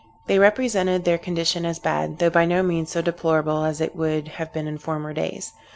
They represented their condition as bad, though by no means so deplorable as it would have been in former days.